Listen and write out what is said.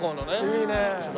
いいね。